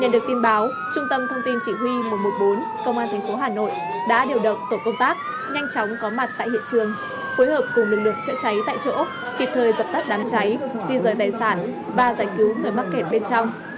được tin báo trung tâm thông tin chỉ huy một trăm một mươi bốn công an tp hà nội đã điều động tổ công tác nhanh chóng có mặt tại hiện trường phối hợp cùng lực lượng chữa cháy tại chỗ kịp thời dập tắt đám cháy di rời tài sản và giải cứu người mắc kẹt bên trong